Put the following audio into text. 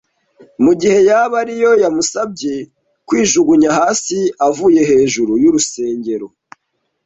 mu gihe yaba ari yo yamusabye kwijugunya hasi avuye hejuru y’urusengero